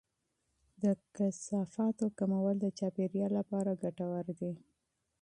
د کثافاتو کمول د چاپیریال لپاره ګټور دی.